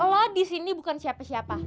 kalau di sini bukan siapa siapa